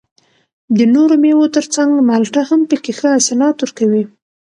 د نورو مېوو تر څنګ مالټه هم پکې ښه حاصلات ورکوي